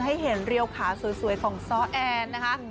ให้เห็นเรียวขาสวยของซ้อแอนนะคะ